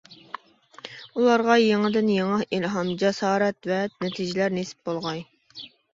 ئۇلارغا يېڭىدىن يېڭى ئىلھام، جاسارەت ۋە نەتىجىلەر نېسىپ بولغاي!